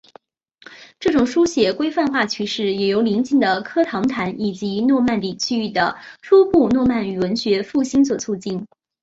这种书写规范化趋势也由临近的科唐坦以及诺曼底区域的初步诺曼语文学复兴所促进。